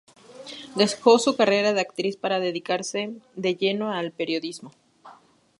Dejó su carrera de actriz para dedicarse de lleno al periodismo.